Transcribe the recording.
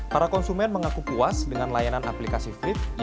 para konsumen mengaku puas dengan layanan aplikasi flip